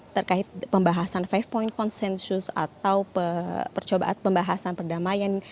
terkait pembahasan five point konsensus atau percobaan pembahasan perdamaian